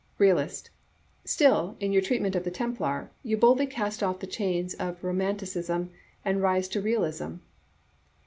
Realist, — "Still, in your treatment of the Templar, you boldly cast off the chains of Romanticism and rise to Realism."